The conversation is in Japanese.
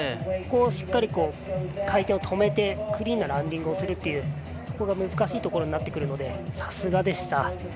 しっかり、回転を止めてクリーンなランディングをするというのが難しいところになってくるのでさすがでした。